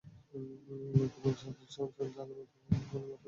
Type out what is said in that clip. অন্য কানে শ্রবণযন্ত্র লাগানো থাকে বলে মাঠের সবকিছু শোনা তাঁদের পক্ষে কঠিন।